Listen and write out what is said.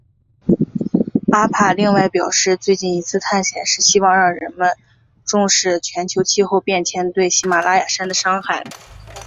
阿帕另外表示最近一次探险是希望让人们重视全球气候变迁对喜玛拉雅山的伤害。